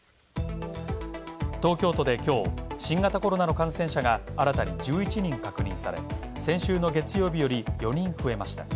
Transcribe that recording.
東京都で今日、新型コロナの感染者が新たに１１人確認され、先週の月曜日より４人増えました。